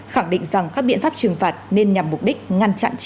khẳng định rằng các biện pháp trừng phạt nên nhằm mục đích ngăn chặn chiến tranh